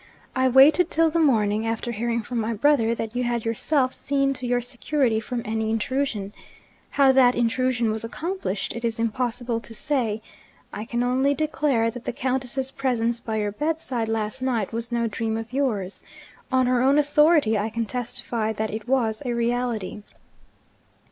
I waited till the morning, after hearing from my brother that you had yourself seen to your security from any intrusion. How that intrusion was accomplished it is impossible to say. I can only declare that the Countess's presence by your bedside last night was no dream of yours. On her own authority I can testify that it was a reality.'